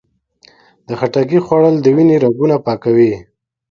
د خټکي خوړل د وینې رګونه پاکوي.